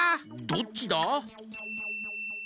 「どっちだ？」